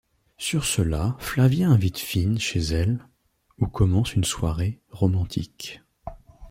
Sur cela Flavia invite Finn chez elle, où commence une soirée romantique.